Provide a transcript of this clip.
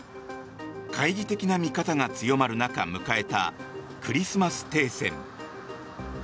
懐疑的な見方が強まる中迎えたクリスマス停戦。